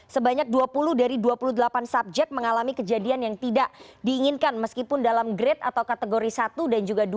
sebanyak dua puluh dari dua puluh delapan subjek mengalami kejadian yang tidak diinginkan meskipun dalam grade atau kategori satu dan juga dua